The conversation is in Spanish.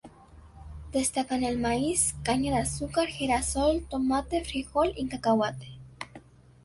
Destacan el maíz, caña de azúcar, girasol, tomate, frijol y cacahuate.